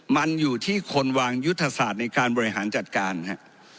มันอยู่ที่คนวางยุทธศาสตร์ในการบริหารจัดการฮะ